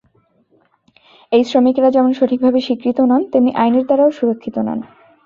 এই শ্রমিকেরা যেমন সঠিকভাবে স্বীকৃত নন, তেমনি আইনের দ্বারাও সুরক্ষিত নন।